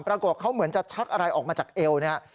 ปรากฏเขาเหมือนจะชักอะไรออกมาจากเอวเนี่ย